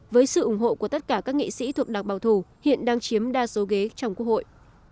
với sự ủng hộ của tất cả các nghị sĩ thuộc đặc bảo thủ hiện đang chiếm đa số ghế trong quốc hội